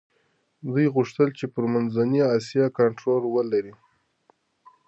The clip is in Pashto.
دوی غوښتل چي پر منځنۍ اسیا کنټرول ولري.